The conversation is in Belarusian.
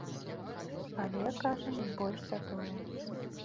Але, кажа, не больш за тое.